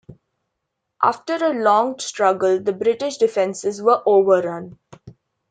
After a long struggle the British defences were overrun.